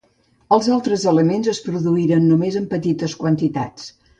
Els altres elements es produïren només en petites quantitats.